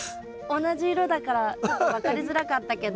同じ色だからちょっと分かりづらかったけど。